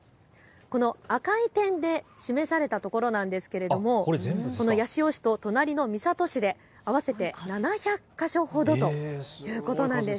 この赤い点で示されたところなんですが八潮市と隣の三郷市で合わせて７００か所ほどということなんです。